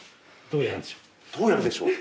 どうやるでしょう？